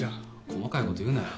細かいこと言うなよ。